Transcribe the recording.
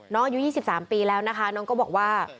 อายุ๒๓ปีแล้วนะคะน้องก็บอกว่า